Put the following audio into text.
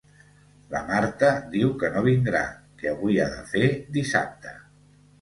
La Marta diu que no vindrà, que avui ha de fer dissabte.